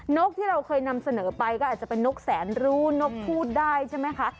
นกที่เราเคยนำเสนอไปก็อาจจะเป็นนกแสนรู้นกพูดได้ใช่ไหมคะ